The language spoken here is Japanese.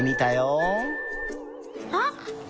あっ！